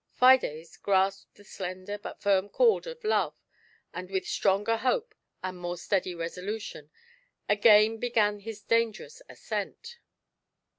Fides grasped the slender but firm cord of Love, and with stronger hope, and more steady resolution, again began his dangerous ascent.